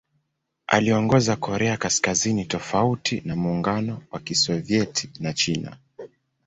Aliongoza Korea Kaskazini tofauti na Muungano wa Kisovyeti na China.